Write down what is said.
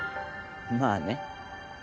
まあね。